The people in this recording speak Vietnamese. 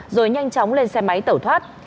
rồi nhanh chóng lên xe máy tẩu thoát